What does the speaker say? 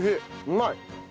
うまい！